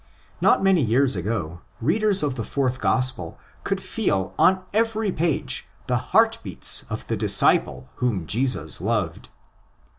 Not many years ago readers of the fourth Gospel could feel on every page the heart beats of the disciple whom Jesus loved.